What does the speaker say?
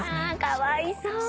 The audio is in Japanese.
かわいそうに。